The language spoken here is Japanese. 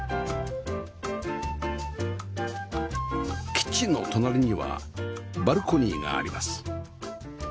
キッチンの隣にはバルコニーがあります